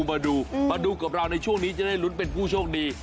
มาดูมาดูกับเราในช่วงนี้จะได้ลุ้นเป็นผู้โชคดี